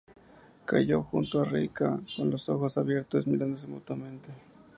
Cayó junto a Reika, con los ojos abiertos, mirándose mutuamente.